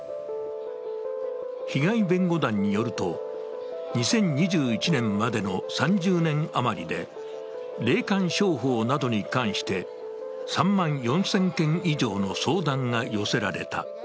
被害弁護団によると、２０２１年までの３０年余りで霊感商法などに関して３万４０００件以上の相談が寄せられた。